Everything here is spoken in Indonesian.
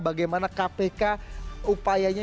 bagaimana kpk upayanya